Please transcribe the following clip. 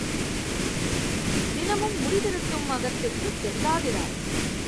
தினமும் முடி திருத்தும் அகத்திற்குச் செல்லாதிரார்.